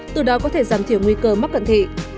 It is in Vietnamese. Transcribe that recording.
từ đó có thể giảm thiểu nguy cơ mắc cận thị